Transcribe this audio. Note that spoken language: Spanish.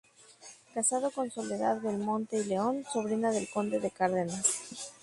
Casado con Soledad Belmonte y León, sobrina del conde de Cárdenas.